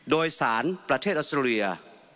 โดยสารประเทศออสเตรเลีย